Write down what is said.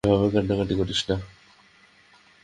এভাবে কান্নাকাটি করিস না!